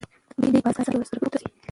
بیې په بازار کې ورځ تر بلې پورته ځي.